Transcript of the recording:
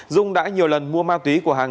dung đã nhiều lần mua ma túy của hằng